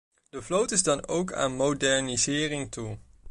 De vloot is dan ook aan modernisering toe.